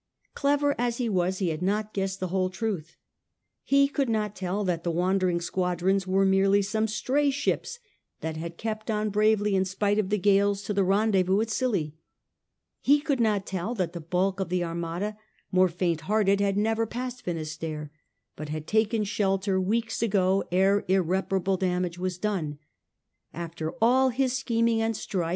Clever as he was he had not guessed the whole truth. He could not tell that the wandering squadrons were merely some stray ships that had kept on bravely in spite of the gales to the rendezvous at Scilly ; he could not tell that the bulk of the Armada, more faint hearted, had never passed Finisterre, but had taken shelter ^ For this forgotten movement see S, P. Dom, Eliz. ccxii.